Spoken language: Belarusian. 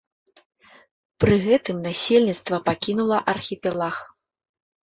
Пры гэтым насельніцтва пакінула архіпелаг.